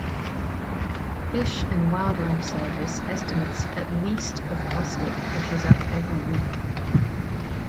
Fish and Wildlife Service estimates at least of plastic washes up every week.